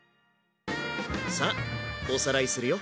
さあおさらいするよ。